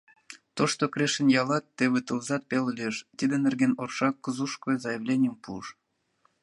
Тошто Крешын ялат, теве тылзат пеле лиеш, тидын нерген Орша кзу-шко заявленийым пуыш.